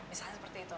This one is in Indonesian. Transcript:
misalnya seperti itu